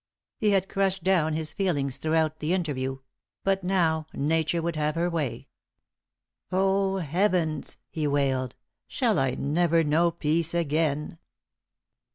He had crushed down his feelings throughout the interview; but now Nature would have her way. "Oh, Heavens!" he wailed. "Shall I ever know peace again?"